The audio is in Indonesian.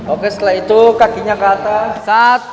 oke setelah itu kakinya ke atas satu